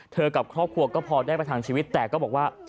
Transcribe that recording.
กับครอบครัวก็พอได้ประทังชีวิตแต่ก็บอกว่า